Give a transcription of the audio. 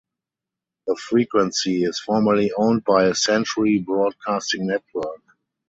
The frequency is formerly owned by Century Broadcasting Network.